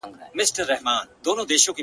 د یوې ورځي لګښت خواست یې ترې وکړ-